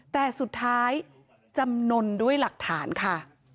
แต่สุดท้ายจำนวนด้วยหลักฐานค่ะ